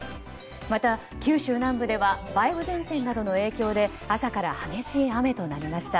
また、九州南部では梅雨前線などの影響で朝から激しい雨となりました。